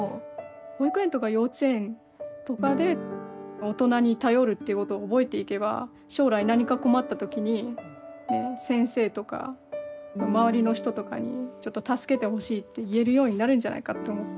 保育園とか幼稚園とかで大人に頼るっていうことを覚えていけば将来何か困った時にね先生とか周りの人とかにちょっと助けてほしいって言えるようになるんじゃないかって思って。